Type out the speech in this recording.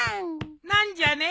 何じゃね？